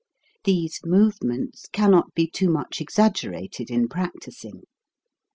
These movements cannot be too much exaggerated in practising.